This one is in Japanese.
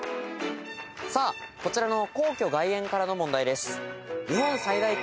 こちらの皇居外苑からの問題です。